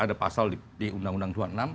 ada pasal di undang undang dua puluh enam